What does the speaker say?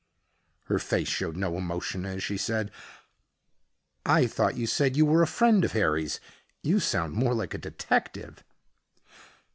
Her face showed no emotion as she said, "I thought you said you were a friend of Harry's. You sound more like a detective."